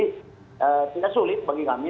tidak sulit bagi kami